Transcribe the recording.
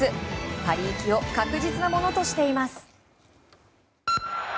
パリ行きを確実なものとしています。